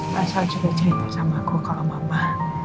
masa cerita cerita sama aku kalau mama